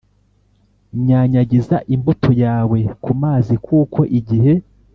Nyanyagiza imbuto yawe ku mazi kuko igihe